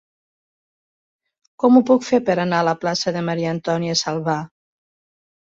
Com ho puc fer per anar a la plaça de Maria-Antònia Salvà?